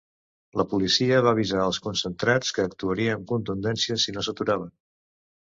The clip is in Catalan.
La policia va avisar els concentrats que actuaria amb contundència si no s’aturaven.